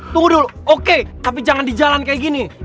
tunggu dulu oke tapi jangan di jalan kayak gini